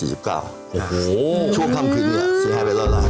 โอ้โหช่วงค่ำคืนนี้เสียหายไปแล้วนะ